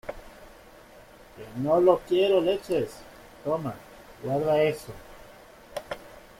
que no lo quiero, leches. toma , guarda eso .